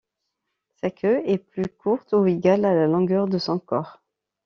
Sa queue est plus courte ou égale à la longueur de son corps.